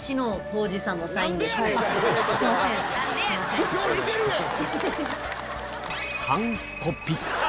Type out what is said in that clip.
よう似てるやん！